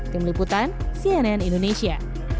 tim liputan cnn indonesia